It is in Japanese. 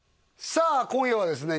さあ今夜はですね